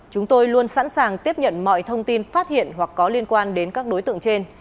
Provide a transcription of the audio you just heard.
chúng tôi luôn sẵn sàng tiếp nhận mọi thông tin phát hiện hoặc có liên quan đến các đối tượng trên